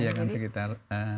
iya kan sekitar